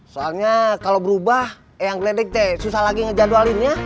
soalnya kalau berubah eyang gledek susah lagi ngejadwalin ya